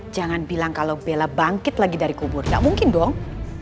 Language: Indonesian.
jangan bilang kalau bella bangkit lagi dari kubur gak mungkin dong